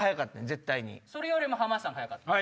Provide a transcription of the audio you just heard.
それよりも浜田さんが早かった。